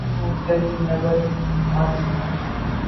وہ کہیں نظر نہیں آتی۔